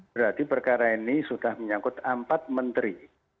berarti perkara ini sudah menyangkut empat menteri